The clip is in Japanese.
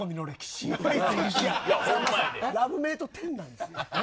ラブメイト１０なんです。